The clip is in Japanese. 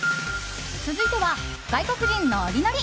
続いては、外国人ノリノリ！